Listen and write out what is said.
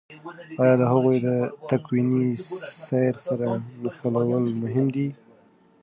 آیا د هغوی تکويني سير سره نښلول مهم دي؟